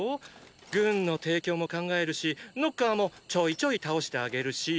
軍の提供も考えるしノッカーもちょいちょい倒してあげるしうん！